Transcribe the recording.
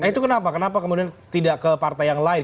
nah itu kenapa kenapa kemudian tidak ke partai yang lain